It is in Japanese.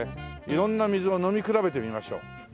色んな水を飲み比べてみましょう。